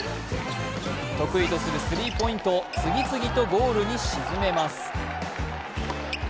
得意とするスリーポイントを次々とゴールに沈めます。